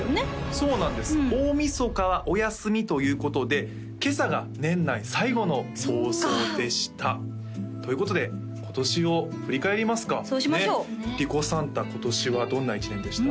そうなんです大晦日はお休みということで今朝が年内最後の放送でしたということで今年を振り返りますかそうしましょうリコサンタ今年はどんな１年でした？